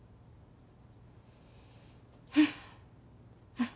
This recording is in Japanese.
うん！